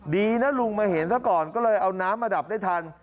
ดีนะลุงมาเห็นซะก่อนก็เลยเอาน้ำมาดับได้ทัน